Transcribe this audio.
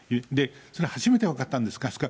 それは初めて分かったんです。